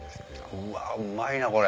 うわうまいなこれ。